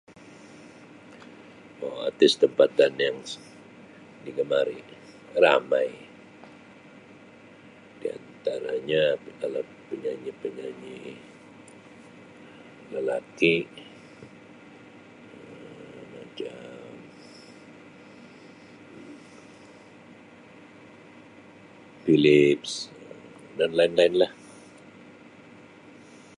Um Artis tempatan yang digemari, ramai. Di antaranya, adalah penyanyi-penyanyi lelaki Um macam Felix dan lain-lain lah.